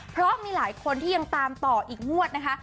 เพราะมีหลายคนที่ยังตามต่ออีกงวดนะคะ